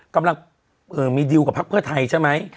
กำลังมีดิวกับพักเพื่อไทยใช่ไหม